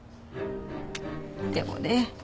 でもね